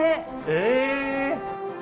え！